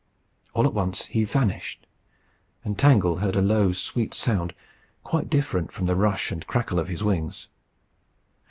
All at once he vanished, and Tangle heard a low, sweet sound, quite different from the rush and crackle of his wings.